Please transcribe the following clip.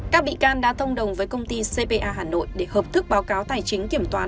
các bị can đã thông đồng với công ty cpa hà nội để hợp thức báo cáo tài chính kiểm toán